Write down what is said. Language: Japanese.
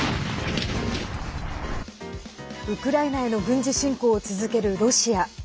ウクライナへの軍事侵攻を続けるロシア。